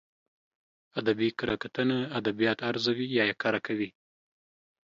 ادبي کره کتنه ادبيات ارزوي يا يې کره کوي.